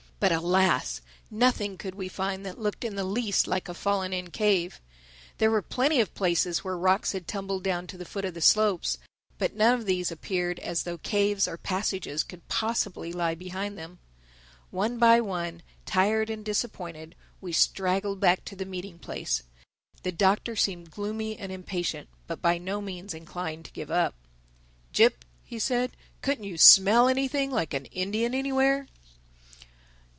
But alas! nothing could we find that looked in the least like a fallen in cave. There were plenty of places where rocks had tumbled down to the foot of the slopes; but none of these appeared as though caves or passages could possibly lie behind them. One by one, tired and disappointed, we straggled back to the meeting place. The Doctor seemed gloomy and impatient but by no means inclined to give up. "Jip," he said, "couldn't you smell anything like an Indian anywhere?"